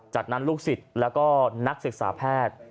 จากนั้นลูกศิษย์แล้วก็นักศึกษาแพทย์